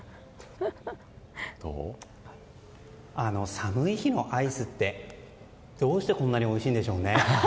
寒い日のアイスってどうしてこんなにおいしいんでしょうね。